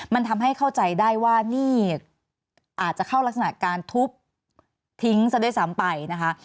มันทำให้เข้าใจได้ว่านี่อาจจะเข้ารักษณะการทุบทิ้งซะด้วยซ้ำไปนะคะ